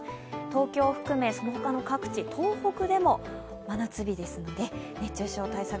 東京を含めそのほかの各地、東北でも真夏日ですので熱中症対策